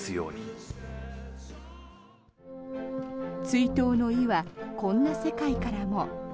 追悼の意はこんな世界からも。